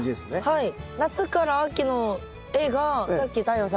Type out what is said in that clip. はい。